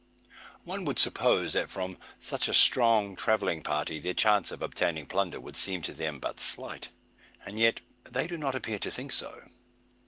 One would suppose that from such a strong travelling party their chance of obtaining plunder would seem to them but slight. And yet they do not appear to think so.